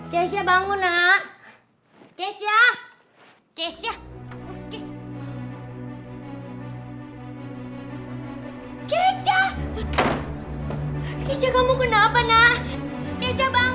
kaji buffalo sweet l several dale dahin